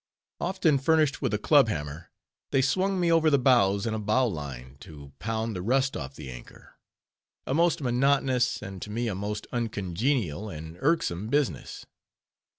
Often furnished with a club hammer, they swung me over the bows in a bowline, to pound the rust off the anchor: a most monotonous, and to me a most uncongenial and irksome business.